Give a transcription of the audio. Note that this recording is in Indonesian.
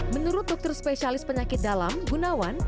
menurut dokter spesialis penyakit dalam gunawan